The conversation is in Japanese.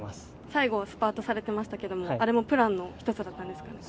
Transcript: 最後スパートされていましたけど、あれもプランの一つだったんですか？